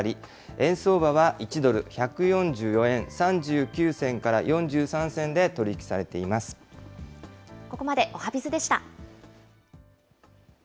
円相場は１ドル１４４円３９銭から４ここまでおはＢｉｚでした。